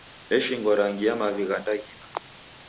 Eshingwa rangi ya mavi gha ndaghina.